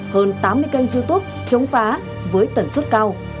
hơn tám mươi kênh youtube chống phá với tần suất cao